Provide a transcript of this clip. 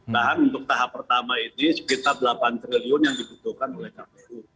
bahkan untuk tahap pertama ini sekitar delapan triliun yang dibutuhkan oleh kpu